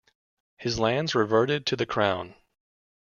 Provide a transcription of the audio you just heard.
His lands reverted to the Crown.